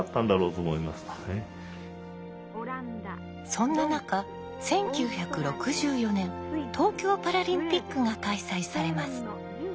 そんな中１９６４年東京パラリンピックが開催されます。